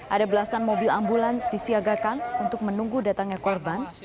ada belasan mobil ambulans disiagakan untuk menunggu datangnya korban